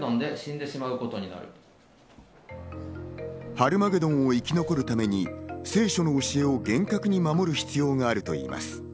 ハルマゲドンを生き残るために聖書の教えを厳格に守る必要があるといいます。